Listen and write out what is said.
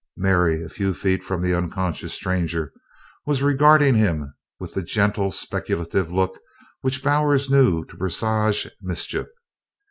Mary, a few feet from the unconscious stranger, was regarding him with the gentle speculative look which Bowers knew to presage mischief.